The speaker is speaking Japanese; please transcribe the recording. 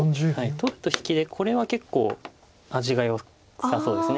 取ると引きでこれは結構味がよさそうです。